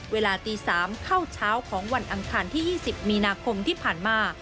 เวลาตี๓เข้าเช้าของวันอังคารที่๒๐มีนาคมที่ผ่านมา